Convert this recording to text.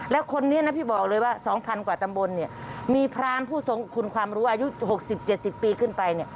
แล้วคนนี้นะพี่บอกเลยว่า๒๐๐กว่าตำบลเนี่ยมีพรานผู้ทรงคุณความรู้อายุ๖๐๗๐ปีขึ้นไป